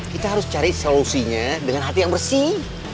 kita harus cari solusinya dengan hati yang bersih